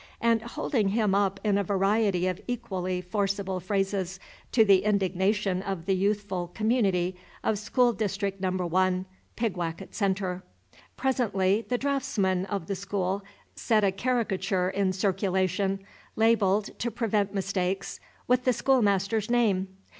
and holding him up in a variety of equally forcible phrases to the indignation of the youthful community of School District No. 1, Pigwacket Centre. Presently the draughtsman of the school set a caricature in circulation, labelled, to prevent mistakes, with the schoolmaster's name.